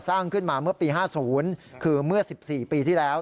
สร้างขึ้นมาเมื่อปี๕๐คือเมื่อ๑๔ปีที่แล้ว